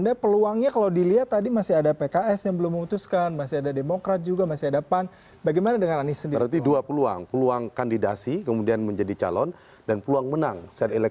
dan semua akan menunggu